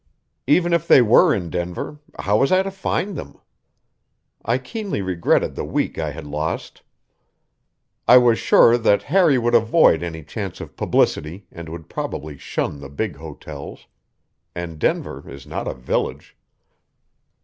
Even if they were in Denver, how was I to find them? I keenly regretted the week I had lost. I was sure that Harry would avoid any chance of publicity and would probably shun the big hotels. And Denver is not a village.